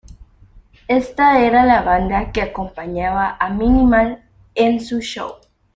Ésta era la banda que acompañaba a Minimal en su show.